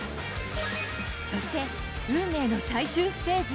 そして、運命の最終ステージ。